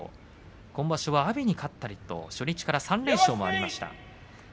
今場所は阿炎に勝ったりと初日から３連勝がありました。